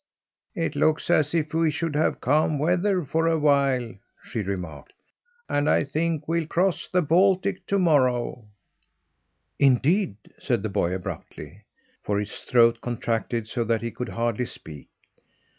"It looks as if we should have calm weather for awhile," she remarked, "and I think we'll cross the Baltic to morrow." "Indeed!" said the boy abruptly, for his throat contracted so that he could hardly speak.